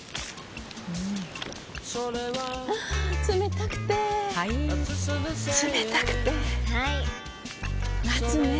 あ冷たくてはい冷たくてはい夏ねえ